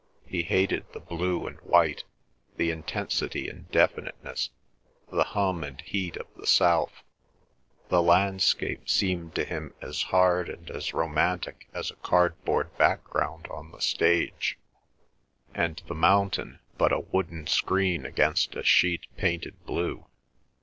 He hated the blue and white, the intensity and definiteness, the hum and heat of the south; the landscape seemed to him as hard and as romantic as a cardboard background on the stage, and the mountain but a wooden screen against a sheet painted blue.